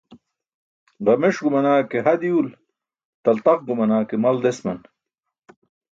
Ġames gumana ke ha diwul taltaq gumana ke mal desman.